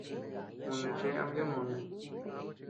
Uu neé cheʼe ama yadnuni.